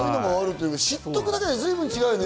知っとくだけで随分と違うね。